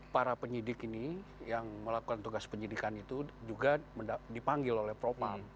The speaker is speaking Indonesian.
para penyidik ini yang melakukan tugas penyidikan itu juga dipanggil oleh propam